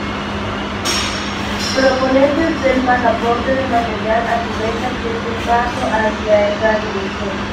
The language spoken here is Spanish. Proponentes del pasaporte de material argumentan que es un paso hacia esta dirección.